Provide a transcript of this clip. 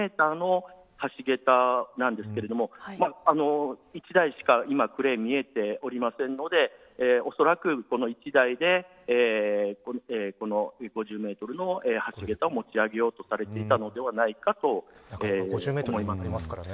５０メートルの橋げたなんですけれども１台しかクレーンって見えておりませんので恐らくこの１台でこの５０メートルの橋げたを持ち上げようとされていたのではないかと思います。